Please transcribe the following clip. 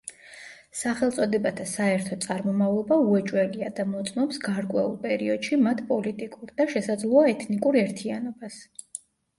სახელწოდებათა საერთო წარმომავლობა უეჭველია და მოწმობს გარკვეულ პერიოდში მათ პოლიტიკურ და შესაძლოა, ეთნიკურ ერთიანობას.